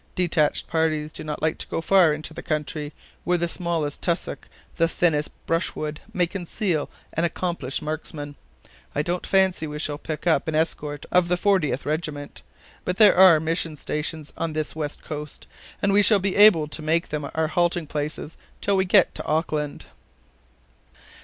Detached parties do not like to go far into the country, where the smallest tussock, the thinnest brushwood, may conceal an accomplished marksman. I don't fancy we shall pick up an escort of the 40th Regiment. But there are mission stations on this west coast, and we shall be able to make them our halting places till we get to Auckland."